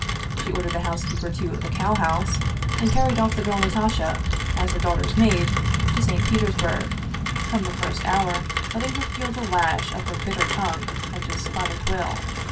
She ordered the housekeeper to the cow house, and carried off the girl Natasha, as her daughter's maid, to St. Petersburg, from the first hour letting her feel the lash of her bitter tongue and despotic will.